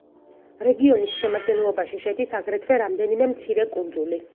რეგიონის შემადგენლობაში შედის აგრეთვე რამდენიმე მცირე კუნძული.